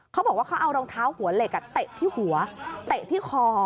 เขาบอกว่าเขาเอารองเท้าหัวเหล็กเตะที่หัวเตะที่คอ